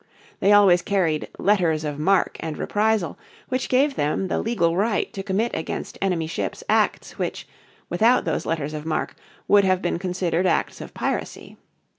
They always carried "letters of marque and reprisal" Which gave them the legal right to commit against enemy ships acts which, without those letters of marque, would have been considered acts of piracy.